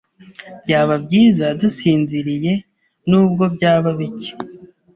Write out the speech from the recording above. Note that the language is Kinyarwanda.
Byaba byiza dusinziriye, nubwo byaba bike.